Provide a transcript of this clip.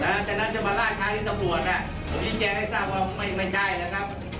น่ะฉะนั้นจะมาล่าใช้ที่ตำรวจน่ะผมยิงแจกให้ทราบว่าไม่ไม่ใช่แล้วครับ